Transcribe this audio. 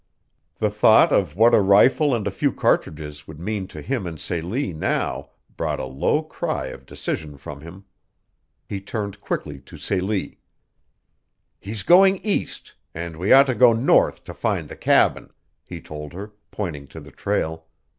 The thought of what a rifle and a few cartridges would mean to him and Celie now brought a low cry of decision from him. He turned quickly to Celie. "He's going east and we ought to go north to find the cabin," he told her, pointing to the trail.